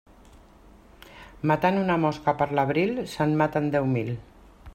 Matant una mosca per l'abril, se'n maten deu mil.